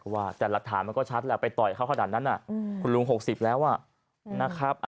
ว่าแต่หลักฐานมันก็ชัดแล้วไปต่อยเขาขนาดนั้นคุณลุง๖๐แล้วนะครับ